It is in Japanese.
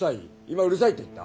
今うるさいって言った？